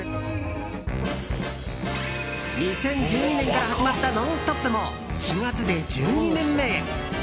２０１２年から始まった「ノンストップ！」も４月で１２年目へ。